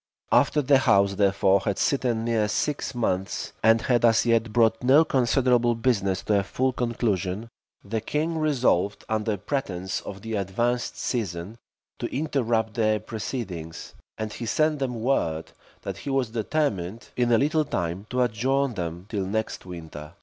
After the house, therefore, had sitten near six months, and had as yet brought no considerable business to a full conclusion, the king resolved, under pretence of the advanced season, to interrupt their proceedings; and he sent them word, that he was determined, in a little time, to adjourn them till next winter.